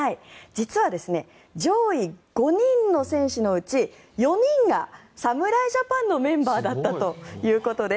実は上位５人の選手のうち４人が侍ジャパンのメンバーだったということです。